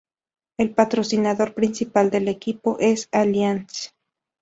El patrocinador principal del equipo es Allianz.